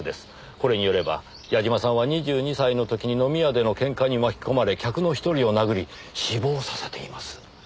これによれば矢嶋さんは２２歳の時に飲み屋でのケンカに巻き込まれ客の１人を殴り死亡させています。